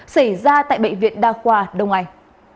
xảy ra tại bệnh viện đa khoa đông anh